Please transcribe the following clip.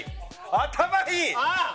頭いい！